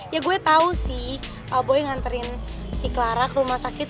ya gue tau sih boy nganterin si clara ke rumah sakit